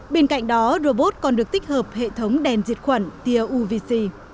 bên cạnh đó robot còn được tích hợp hệ thống đèn diệt khuẩn tia uvc